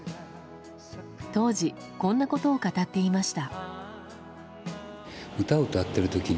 当時、こんなことを語っていました。